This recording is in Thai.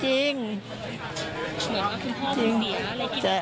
ทีชนัยจะไม่แปลงตวงสมบัติสินะ